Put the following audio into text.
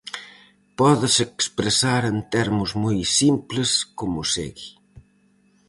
Pódese expresar en termos moi simples como segue.